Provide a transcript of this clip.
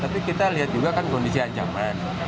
tapi kita lihat juga kan kondisi ancaman